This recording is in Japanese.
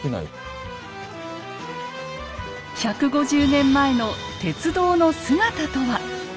１５０年前の鉄道の姿とは？